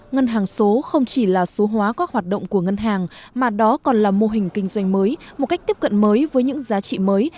ngân hàng số không chỉ là số hóa các hoạt động của ngân hàng mà đó còn là mô hình kinh doanh mới một cách tiếp cận mới với những giá trị mới